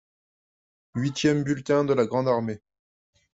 Huitième bulletin de la grande armée.